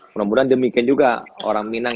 mudah mudahan demikian juga orang minang